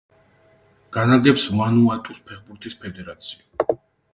განაგებს ვანუატუს ფეხბურთის ფედერაცია.